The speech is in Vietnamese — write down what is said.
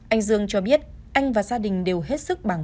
anh dương cho biết anh và gia đình đều hết sức bảo vệ